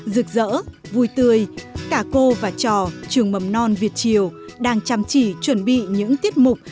rực rỡ vui tươi cả cô và trò trường mầm non việt triều đang chăm chỉ chuẩn bị những tiết mục